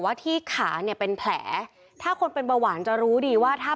ว่าที่ขาเนี่ยเป็นแผลถ้าคนเป็นเบาหวานจะรู้ดีว่าถ้า